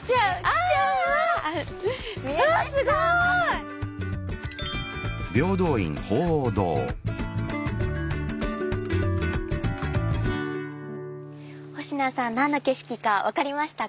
あすごい！星名さん何の景色か分かりましたか？